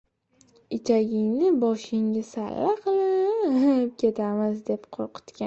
Ichagingni boshingga salla qilib ketamiz, deb qo‘rqitgan.